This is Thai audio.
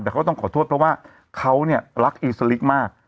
แต่เขาต้องขอโทษเพราะว่าเขาเนี่ยรักอีสลิกมาก